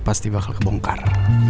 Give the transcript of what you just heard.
pasti bakal kebongkar